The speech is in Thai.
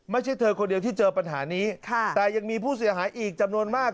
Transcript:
ไม่ใช่เธอคนเดียวที่เจอปัญหานี้แต่ยังมีผู้เสียหายอีกจำนวนมาก